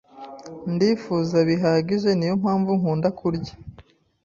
Ndifuza bihagije niyo mpamvu nkunda kurya